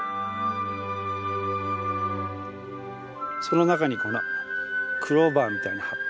その中にこのクローバーみたいな葉っぱ。